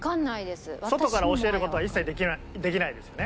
外から教える事は一切できないですよね？